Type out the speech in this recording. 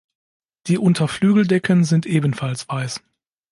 Die Unterflügeldecken sind ebenfalls weiß.